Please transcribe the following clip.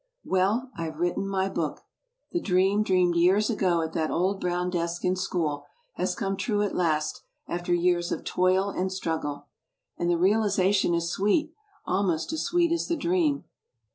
"Well, I've written my book! The dream dreamed years ago at that old brown desk in school has come true at last after years of toil and struggle. And the realization is sweet, almost as sweet as the dream."